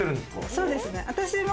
そうですね。